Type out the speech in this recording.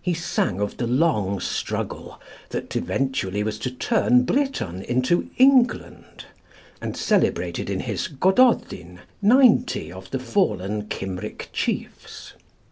He sang of the long struggle that eventually was to turn Briton into England, and celebrated in his 'Gododin' ninety of the fallen Cymric chiefs.